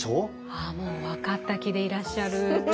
ああもう分かった気でいらっしゃる？